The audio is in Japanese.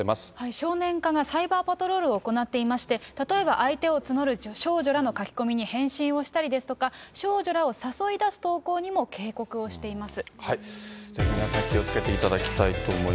少年課がサイバーパトロールを行っていまして、例えば相手を募る少女らの書き込みに返信をしたりですとか、少女らを誘い出す投稿にも警告をしています。